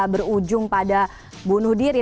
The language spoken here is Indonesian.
berujung pada bunuh diri